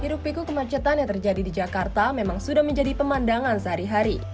hiruk piku kemacetan yang terjadi di jakarta memang sudah menjadi pemandangan sehari hari